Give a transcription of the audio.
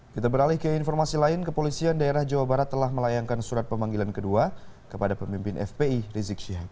kita beralih ke informasi lain kepolisian daerah jawa barat telah melayangkan surat pemanggilan kedua kepada pemimpin fpi rizik syihab